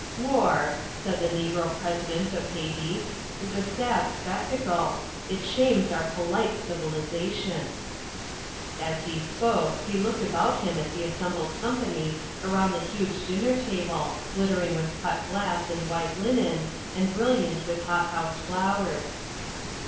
"War," said the Negro President of Haiti, "is a sad spectacle. It shames our polite civilisation." As he spoke, he looked about him at the assembled company around the huge dinner table, glittering with cut glass and white linen, and brilliant with hot house flowers.